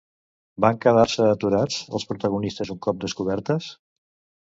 Van quedar-se aturats els protagonistes un cop descobertes?